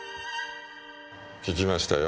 聞きましたよ。